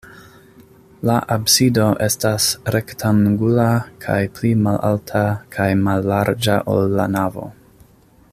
La absido estas rektangula kaj pli malalta kaj mallarĝa, ol la navo.